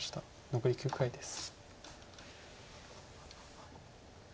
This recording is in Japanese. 残り９回です。